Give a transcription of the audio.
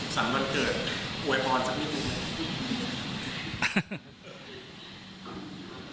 วันเกิดอวยพรสักนิดนึง